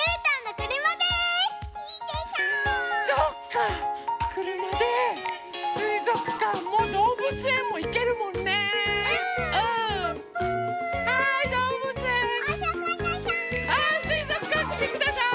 あすいぞくかんきてください。